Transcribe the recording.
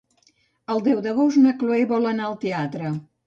El deu d'agost na Chloé vol anar al teatre.